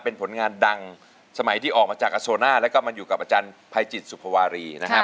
เป็นผลงานดังสมัยที่ออกมาจากอโซน่าแล้วก็มาอยู่กับอาจารย์ภัยจิตสุภวารีนะฮะ